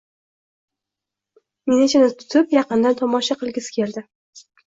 Ninachini tutib, yaqindan tomosha qilgisi keldi.